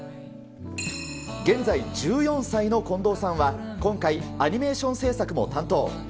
現在１４歳の近藤さんは、今回、アニメーション制作も担当。